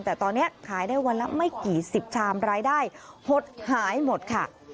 แต่ตอนนี้ขายได้วันละไม่กี่สิบชามรายได้หดหายหมดค่ะ